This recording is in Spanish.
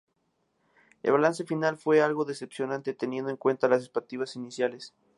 El balance final fue algo decepcionante teniendo en cuenta las expectativas iniciales.